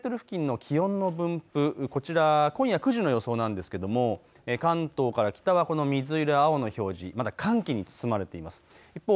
上空１５００メートル付近の気温の分布、こちら、今夜９時の予想なんですけれども関東から北はこの水色や青の表示、まだ寒気に包まれています。